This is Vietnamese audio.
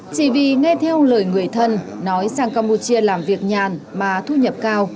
chỉ vì nghe theo lời người thân nói sang campuchia làm việc nhàn mà thu nhập cao